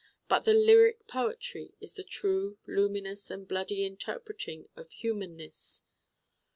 But the lyric poetry is the true luminous and bloody interpreting of humanness.